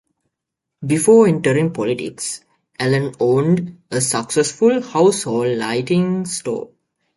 Before entering politics, Allen owned a successful household lighting store.